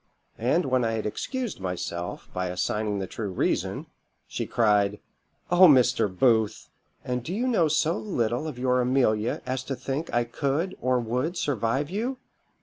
And when I had excused myself, by assigning the true reason, she cried 'O Mr. Booth! and do you know so little of your Amelia as to think I could or would survive you?